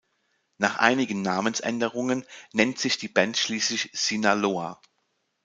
Nach einigen Namensänderungen nennt sich die Band schließlich Sinaloa.